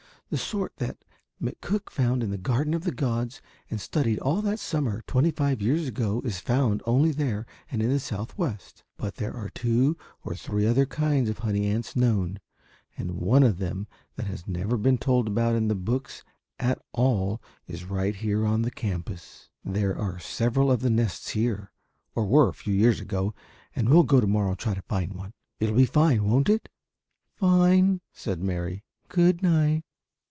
The sort that McCook found in the Garden of the Gods and studied all that summer twenty five years ago is found only there and in the Southwest, but there are two or three other kinds of honey ants known, and one of them that has never been told about in the books at all is right here on the campus. There are several of the nests here, or were a few years ago, and we'll go to morrow and try to find one. It will be fine, won't it?" "Fine," said Mary. "Good night."